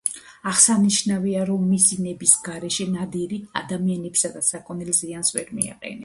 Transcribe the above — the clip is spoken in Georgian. აღსანიშნავია, რომ მისი ნების გარეშე ნადირი ადამიანებსა და საქონელს ზიანს ვერ მიაყენებდა.